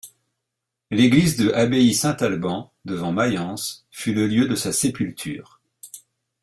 L'église de Abbaye Saint-Alban devant Mayence fut le lieu de sa sépulture.